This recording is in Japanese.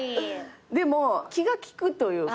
でも気が利くというか。